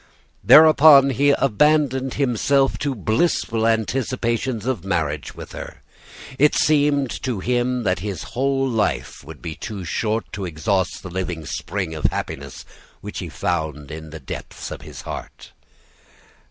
"Thereupon he abandoned himself to blissful anticipations of marriage with her. It seemed to him that his whole life would be too short to exhaust the living spring of happiness which he found in the depths of his heart.